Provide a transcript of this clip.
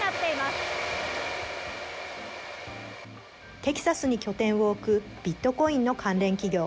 テキサスに拠点を置くビットコインの関連企業。